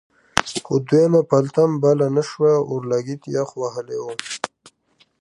خو دویمه پلته هم بله نه شوه اورلګید یخ وهلی و.